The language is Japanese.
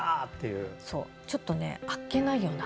ちょっとあっけないような。